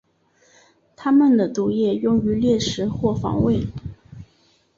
它们的毒液用于猎食或防卫。